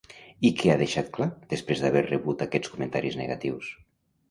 I què ha deixat clar després d'haver rebut aquests comentaris negatius?